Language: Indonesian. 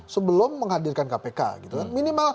sebelum menghadirkan kpk gitu kan minimal